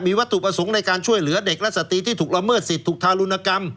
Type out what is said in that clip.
วัตถุประสงค์ในการช่วยเหลือเด็กและสตรีที่ถูกละเมิดสิทธิ์ทารุณกรรม